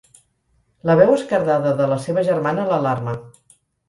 La veu esquerdada de la seva germana l'alarma.